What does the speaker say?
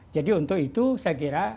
jadi untuk itu saya kira